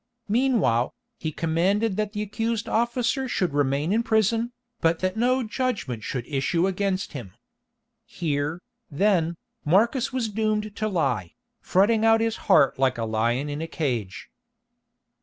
Meanwhile, he commanded that the accused officer should remain in prison, but that no judgment should issue against him. Here, then, Marcus was doomed to lie, fretting out his heart like a lion in a cage.